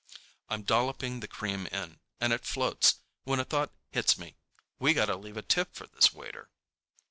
I'm dolloping the cream in, and it floats, when a thought hits me: We got to leave a tip for this waiter.